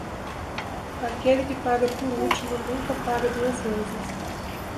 Aquele que paga por último nunca paga duas vezes.